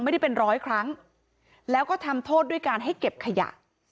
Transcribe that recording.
ไม่ได้เป็นร้อยครั้งแล้วก็ทำโทษด้วยการให้เก็บขยะ